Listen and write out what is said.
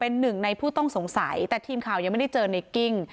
ในผู้ต้องสงสัยแต่ทีมข่าวยังไม่ได้เจอเนกกิ้ง